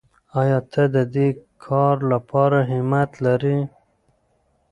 آیا ته د دې کار لپاره همت لرې؟